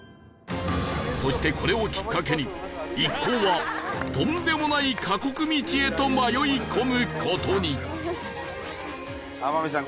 そしてこれをきっかけに一行はとんでもない過酷道へと迷い込む事に